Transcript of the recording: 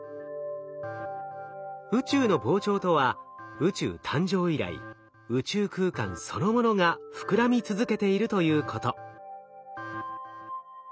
宇宙の膨張とは宇宙誕生以来宇宙空間そのものが膨らみ続けているということ。